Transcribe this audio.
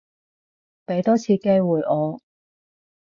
畀多次機會我